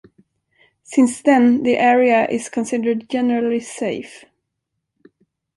Since then, the area is considered generally safe.